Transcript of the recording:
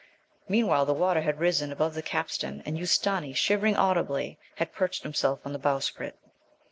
Meanwhile the water had risen above the capstan, and Ustâni, shivering audibly, had perched himself on the bowsprit.